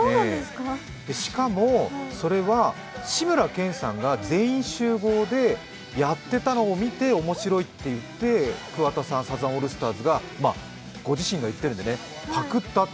しかも、それは志村けんさんが「全員集合」でやっていたのを見て面白いっていって、桑田さん、サザンオールスターズが、ご自身が言ってるんでパクったって